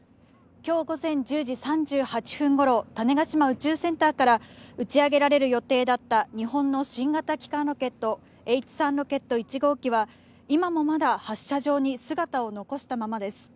今日午前１０時３８分頃、種子島宇宙センターから打ち上げられる予定だった日本の新型基幹ロケット、Ｈ３ロケット１号機は今もまだ発射場に姿を残したままです。